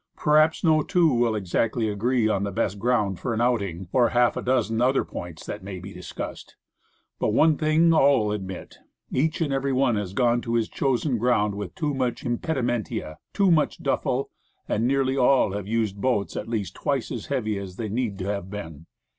Perhaps no two will exactly agree on the best ground for an outing, on the flies, rods, reels, guns, etc., or half a dozen other points that may be discussed. But one thing all admit. Each and every one has gone to his chosen ground with too much impedimenta, too much duffle;* and nearly all have used boats at least twice as heavy as they need to have been.